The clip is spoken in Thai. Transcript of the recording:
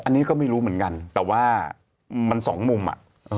อันนี้ก็ไม่รู้เหมือนกันแต่ว่ามันสองมุมอ่ะ